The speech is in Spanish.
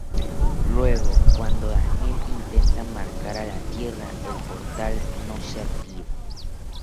Luego, cuando Daniel intenta marcar a la Tierra, el Portal no se activa.